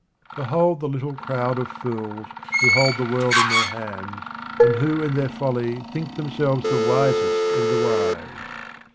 Behold the little crowd of fools, who hold the world in their hands, and who in their folly think themselves the wisest of the wise.